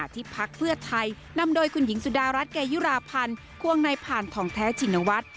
พักเพื่อไทยนำโดยคุณหญิงสุดารัฐเกยุราพันธ์ควงในผ่านทองแท้ชินวัฒน์